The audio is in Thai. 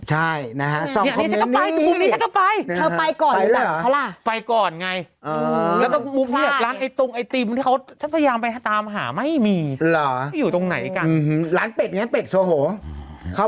ใช่นะฮะ๒คมเงินหนึ่งอยู่ไปเธอไปก่อนหรือเปล่า